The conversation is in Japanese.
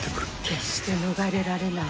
決して逃れられない。